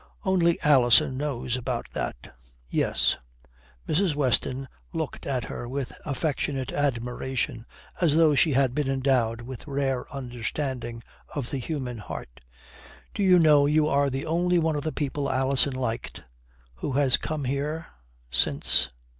"Only Alison knows about that." "Yes." Mrs. Weston looked at her with affectionate admiration, as though she had been endowed with rare understanding of the human heart. "Do you know you are the only one of the people Alison liked who has come here since?"